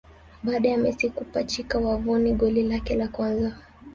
Baada ya Messi kupachika wavuni goli lake la kwanza